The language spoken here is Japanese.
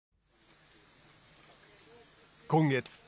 今月。